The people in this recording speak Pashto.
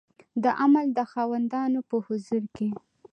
د عمل د خاوندانو په حضور کې